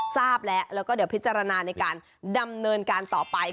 ทราบแล้วแล้วก็เดี๋ยวพิจารณาในการดำเนินการต่อไป